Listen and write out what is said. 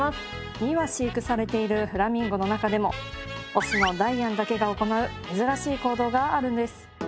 ２羽飼育されているフラミンゴの中でもオスのダイアンだけが行う珍しい行動があるんです